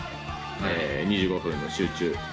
２５分の集中。